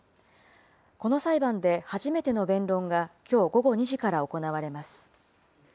この裁判で初めての弁論が、きょう午後２時から行われます。